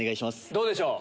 どうでしょう？